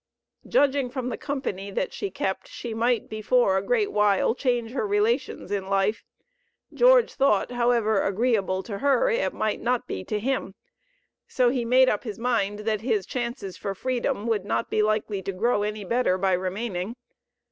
Judging from the company that she kept she might before a great while change her relations in life. George thought, however agreeable to her, it might not be to him. So he made up his mind that his chances for freedom would not be likely to grow any better by remaining.